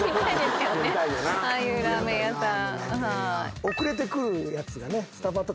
ああいうラーメン屋さん。